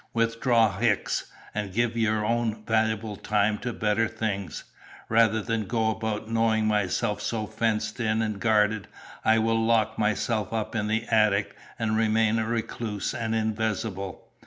Withdraw Hicks, and give your own valuable time to better things. Rather than go about knowing myself so fenced in and guarded, I will lock myself up in the attic, and remain a recluse and invisible.